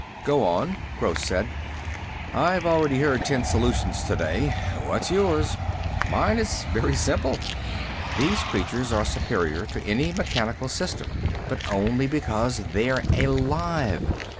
"Go on," Gross said. "I've already heard ten solutions today. What's yours?" "Mine is very simple. These creatures are superior to any mechanical system, but only because they're alive.